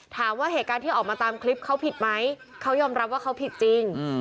ถามว่าเหตุการณ์ที่ออกมาตามคลิปเขาผิดไหมเขายอมรับว่าเขาผิดจริง